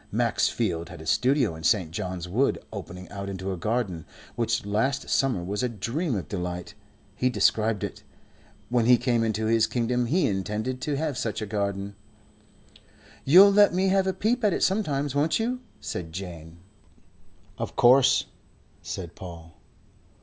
Max Field had a studio in St. John's Wood opening out into a garden, which last summer was a dream of delight. He described it. When he came into his kingdom he intended to have such a garden. "You'll let me have a peep at it sometimes, won't you?" said Jane. "Of course," said Paul.